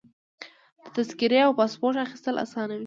د تذکرې او پاسپورټ اخیستل اسانه وي.